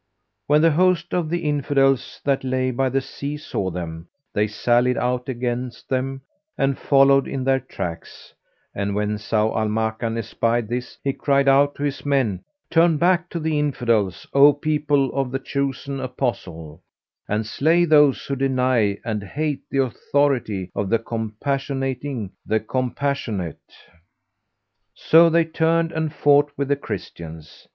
When the host of the Infidels that lay by the sea saw them, they sallied out against them; and followed in their tracks; and when Zau al Makan espied this he cried out to his men, "Turn back to the Infidels, O People of the Chosen Apostle, and slay those who deny and hate the authority of the Compassionating, the Compassionate!" So they turned and fought with the Christians.